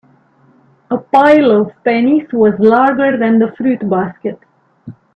The pile of pennies was larger than the fruit basket.